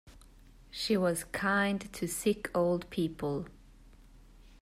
She was kind to sick old people.